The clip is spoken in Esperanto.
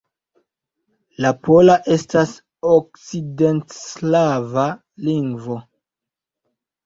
La pola estas okcidentslava lingvo.